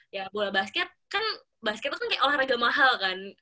ya bola basket kan basket itu kan kayak olahraga mahal kan